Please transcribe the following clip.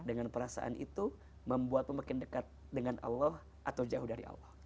dengan perasaan itu membuatmu makin dekat dengan allah atau jauh dari allah